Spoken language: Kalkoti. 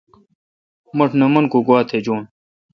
مٹھ نہ من کو گوا تھجیون ۔